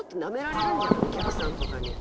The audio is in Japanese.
お客さんとかに。